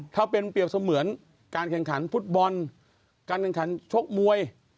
ถ้าเป็นเปรียบเสมือนการแข่งขันฟุตบอลการแข่งขันชกมวย